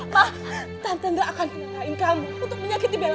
ma tante tidak akan menyalahkan kamu untuk menyakiti bella